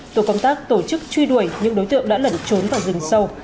tổ công tác tổ chức truy đuổi những đối tượng đã lẩn trốn vào rừng sâu